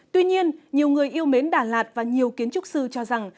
tuy nhiên nhiều người yêu mến đà lạt và nhiều kiến trúc sư cho rằng